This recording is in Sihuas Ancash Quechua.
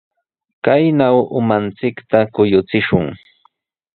Kaynaw umanchikta kuyuchishun.